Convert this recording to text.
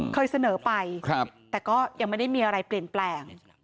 เคยเสนอไปแต่ก็ยังไม่ได้มีอะไรเปลี่ยนแปลง